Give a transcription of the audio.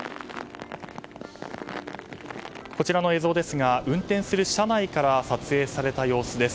こちらの映像ですが運転する車内から撮影された様子です。